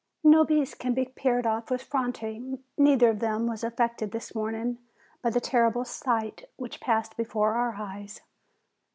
Nobis can be paired off with Franti : neither of them was affected this morning by the terrible sight which passed before our eyes.